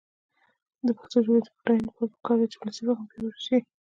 د پښتو ژبې د بډاینې لپاره پکار ده چې ولسي فهم پیاوړی شي.